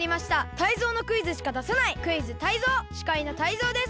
タイゾウのクイズしか出さない「クイズタイゾウ」！しかいのタイゾウです。